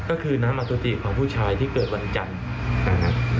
ก็คือน้ำอัตตุธิของผู้ชายที่เกิดวันจันทร์